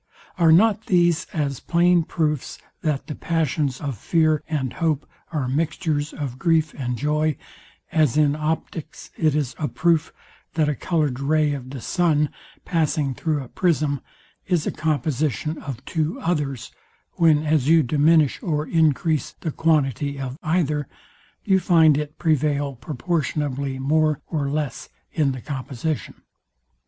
Are not these as plain proofs, that the passions of fear and hope are mixtures of grief and joy, as in optics it is a proof, that a coloured ray of the sun passing through a prism, is a composition of two others, when, as you diminish or encrease the quantity of either, you find it prevail proportionably more or less in the composition?